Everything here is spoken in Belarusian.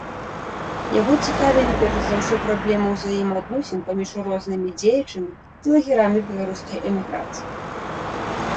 Яго цікавілі перш за ўсё праблемы ўзаемаадносін паміж рознымі дзеячамі і лагерамі беларускай эміграцыі.